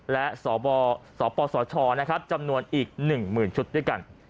และสปสชจำนวนอีก๑๐๐๐ชุดด้วยกัน